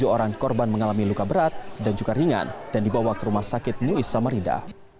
tujuh orang korban mengalami luka berat dan juga ringan dan dibawa ke rumah sakit nuis samarinda